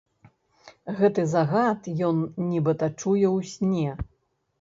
Гэты загад ён, нібыта, чуе ў сне.